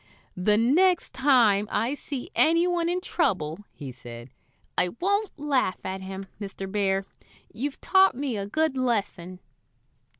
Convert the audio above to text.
"The next time I see any one in trouble," he said, "I won't laugh at him, Mr. Bear. You've taught me a good lesson."